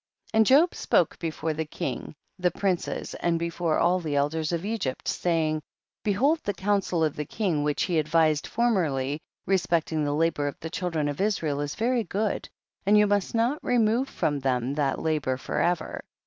17. And Job spoke before the king, the princes, and before all the elders of Egypt, saying, 1 8. Behold the counsel of the king which he advised formerly respect ing the labor of the children of Is rael is very good, and you must not remove from them that labor forever.